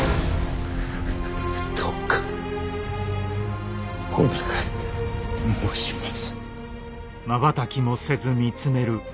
どうかお願い申します。